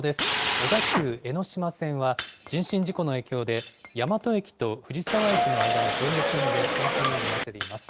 小田急江ノ島線は人身事故の影響で大和駅と藤沢駅の間の上下線で運転を見合わせています。